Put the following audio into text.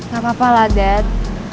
gapapa lah dad